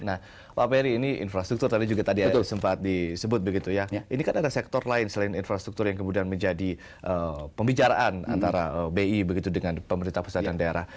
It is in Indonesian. nah pak peri ini infrastruktur tadi juga tadi sempat disebut begitu ya ini kan ada sektor lain selain infrastruktur yang kemudian menjadi pembicaraan antara bi begitu dengan pemerintah pusat dan daerah